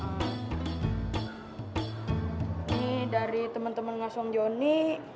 ini dari temen temen mas om joni